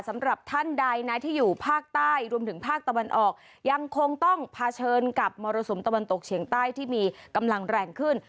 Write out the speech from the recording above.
สำหรับท่านใดนะที่อยู่ภาคใต้รวมถึงภาคตะวันออกยังคงต้องเผชิญกับมรสุมตะวันตกเฉียงใต้ที่มีกำลังแรงขึ้น